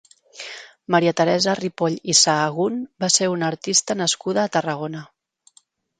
MariaTeresa Ripoll i Sahagún va ser una artista nascuda a Tarragona.